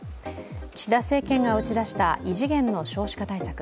岸田政権が打ち出した異次元の少子化対策。